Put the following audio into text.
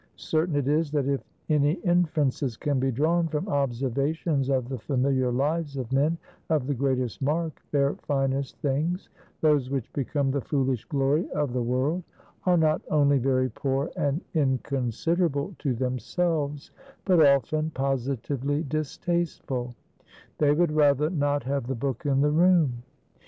Certain it is, that if any inferences can be drawn from observations of the familiar lives of men of the greatest mark, their finest things, those which become the foolish glory of the world, are not only very poor and inconsiderable to themselves, but often positively distasteful; they would rather not have the book in the room.